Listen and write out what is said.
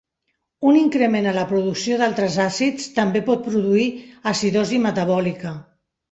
Un increment a la producció d'altres àcids també pot produir acidosi metabòlica.